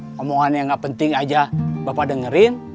pemohon yang gak penting aja bapak dengerin